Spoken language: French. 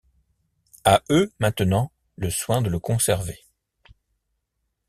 À eux maintenant le soin de le conserver!